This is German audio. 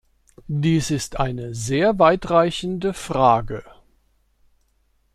Dies ist eine sehr weitreichende Frage.